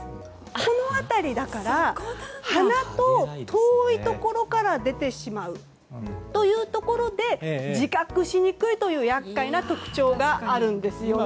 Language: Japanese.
この辺りだから鼻と遠いところから出てしまうというところで自覚しにくいという厄介な特徴があるんですよね。